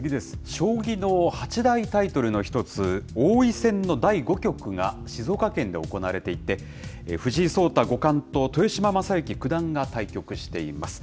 将棋の八大タイトルの一つ、王位戦の第５局が静岡県で行われていて、藤井聡太五冠と豊島将之九段が対局しています。